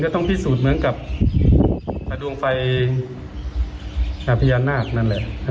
ต้องพิสูจน์เหมือนกับดวงไฟพญานาคนั่นแหละ